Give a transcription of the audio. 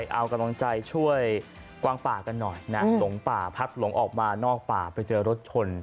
เอากำลังใจช่วยกวางป่ากันหน่อยนะหลงป่าพัดหลงออกมานอกป่าไปเจอรถชน